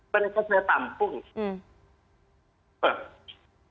mereka saya tampung